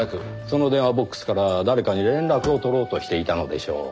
その電話ボックスから誰かに連絡をとろうとしていたのでしょう。